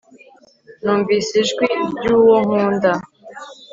numvise ijwi ry'uwo nkunda